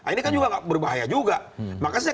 ini kan juga berbahaya juga makanya saya